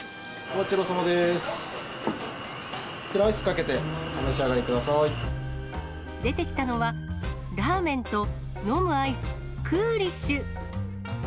こちら、アイスかけて、お召し上出てきたのは、ラーメンと、飲むアイス、クーリッシュ。